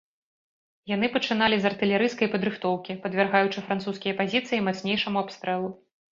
Яны пачыналі з артылерыйскай падрыхтоўкі, падвяргаючы французскія пазіцыі мацнейшаму абстрэлу.